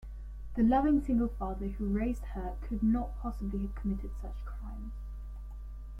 The loving single father who raised her could not possibly have committed such crimes.